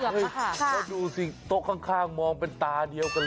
เกือบนะคะค่ะค่ะดูสิโต๊ะข้างมองเป็นตาเดียวกันเลย